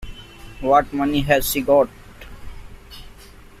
What money has she got?